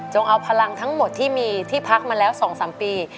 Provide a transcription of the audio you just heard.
เอาพลังทั้งหมดที่มีที่พักมาแล้ว๒๓ปี